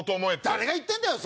誰が言ってんだよ！